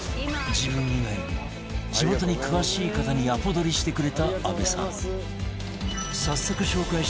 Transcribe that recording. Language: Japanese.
自分以外にも地元に詳しい方にアポ取りしてくれた安部さん